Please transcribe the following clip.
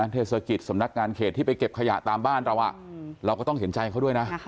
เทศกิจสำนักงานเขตที่ไปเก็บขยะตามบ้านเราเราก็ต้องเห็นใจเขาด้วยนะ